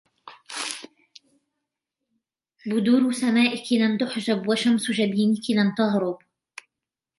بدور سمائك لم تحجب وشمس جبينك لم تغرب